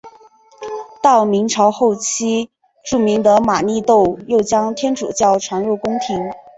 到明朝后期著名的利玛窦又将天主教传入宫廷。